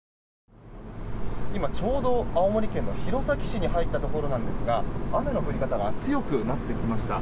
今、ちょうど青森県の弘前市に入ったところなんですが雨の降り方が強くなってきました。